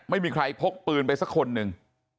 ไม่มีใครพกปืนไปสักคนหนึ่ง